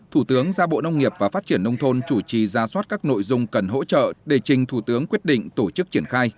thủ tướng ra bộ nông nghiệp và phát triển nông thôn chủ trì ra soát các nội dung cần hỗ trợ để trình thủ tướng quyết định tổ chức triển khai